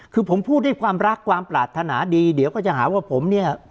คือผมพูดด้วยความรักความปรารถนาดีเดี๋ยวก็จะหาว่าผมเนี่ย